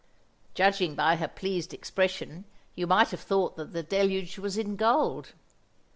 Judging by her pleased expression, you might have thought that the deluge was in gold.